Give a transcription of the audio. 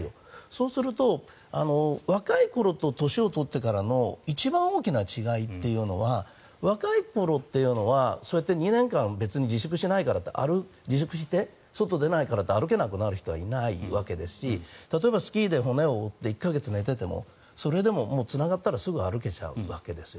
そうすると若い頃と年を取ってからの一番大きな違いというのは若い頃というのはそうやって２年間、別に自粛して外出ないから歩けなくなる人はいないわけですし例えば、スキーで骨を折って１か月寝ていてもそれでもつながったらすぐに歩けちゃうわけです。